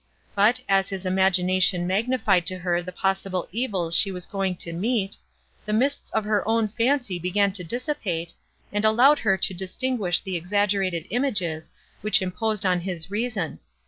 But, as his imagination magnified to her the possible evils she was going to meet, the mists of her own fancy began to dissipate, and allowed her to distinguish the exaggerated images, which imposed on his reason.